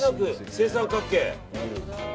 正三角形。